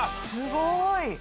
すごーい！